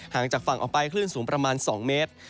จากฝั่งออกไปคลื่นสูงประมาณ๒เมตร